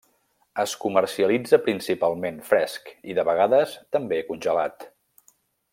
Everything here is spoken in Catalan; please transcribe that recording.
Es comercialitza principalment fresc i, de vegades també, congelat.